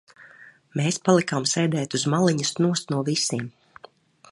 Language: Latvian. Mēs palikām sēdēt uz maliņas nost no visiem.